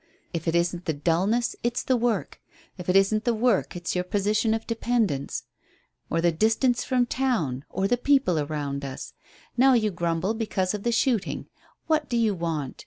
If it isn't the dulness it's the work; if it isn't the work it's your position of dependence, or the distance from town, or the people around us. Now you grumble because of the shooting. What do you want?